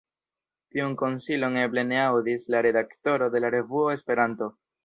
Tiun konsilon eble ne aŭdis la redaktoro de la revuo Esperanto.